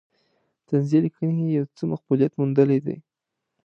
طنزیه لیکنې یې یو څه مقبولیت موندلی دی.